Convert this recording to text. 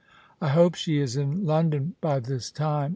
" I hope she is in London by this time.